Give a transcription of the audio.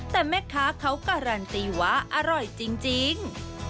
แต่แม่ค้าเขาการันตีว่าอร่อยจริง